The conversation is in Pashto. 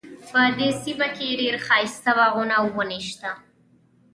په دې سیمه کې ډیر ښایسته باغونه او ونې شته دي